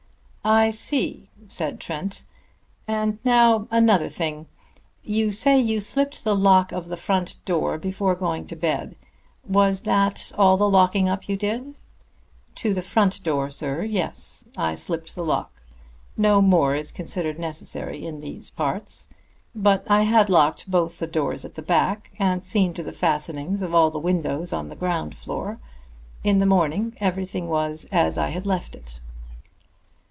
"I see," said Trent. "And now another thing. You say you slipped the lock of the front door before going to bed. Was that all the locking up you did?" "To the front door, sir, yes; I slipped the lock. No more is considered necessary in these parts. But I had locked both the doors at the back, and seen to the fastenings of all the windows on the ground floor. In the morning everything was as I had left it."